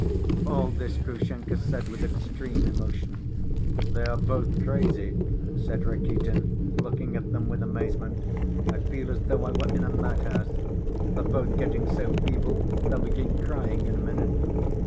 All this Grushenka said with extreme emotion. "They are both crazy," said Rakitin, looking at them with amazement. "I feel as though I were in a madhouse. They're both getting so feeble they'll begin crying in a minute."